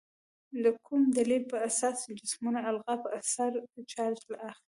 د کوم دلیل په اساس جسمونه القا په اثر چارج اخلي؟